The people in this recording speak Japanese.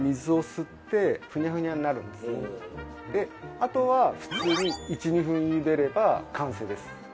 あとは普通に１２分茹でれば完成です。